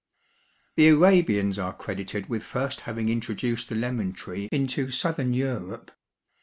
The Arabians are credited with first having introduced the lemon tree into southern Europe.